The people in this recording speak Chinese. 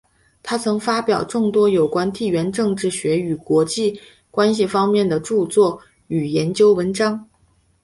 他曾发表众多有关地缘政治学与国际关系方面的着作与研究文章。